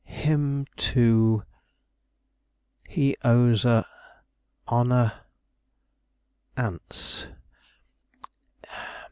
him to he owes a honor ance.